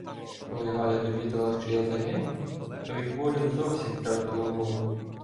Коли Галя довідалася, що я "загинув", то від болю зовсім втратила голову.